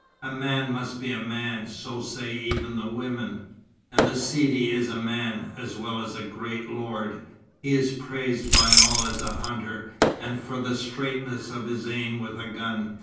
A man must be a man, so say even the women. And the Sidi is a man, as well as a great lord. He is praised by all as a hunter, and for the straightness of his aim with a gun.